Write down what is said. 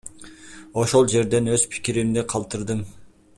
Ошол жерде өз пикиримди калтырдым.